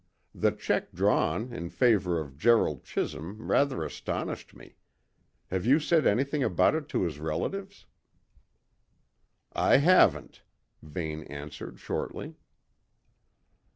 The cheque drawn in favour of Gerald Chisholm rather astonished me. Have you said anything about it to his relatives?" "I haven't," Vane answered shortly.